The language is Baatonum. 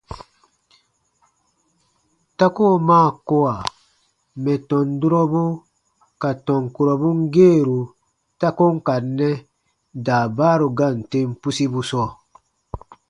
Ta koo maa kowa mɛ̀ tɔn durɔbu ka tɔn kurɔbun geeru ta ko n ka nɛ daabaaru gaan tem pusibu sɔɔ.